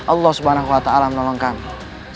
allah swt menolong kami